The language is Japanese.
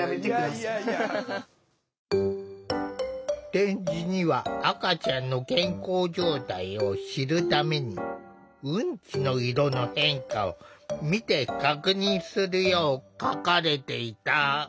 点字には赤ちゃんの健康状態を知るためにうんちの色の変化を見て確認するよう書かれていた。